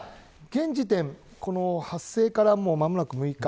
ただ現時点、発生からもう間もなく６日